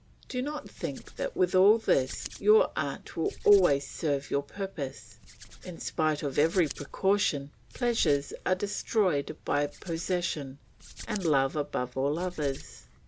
"Do not think that with all this, your art will always serve your purpose. In spite of every precaution pleasures are destroyed by possession, and love above all others.